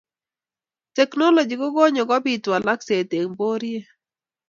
teknolochy ko konye kobit walakset eng pororiet.